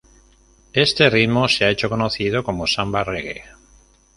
Este ritmo se ha hecho conocido como samba-reggae.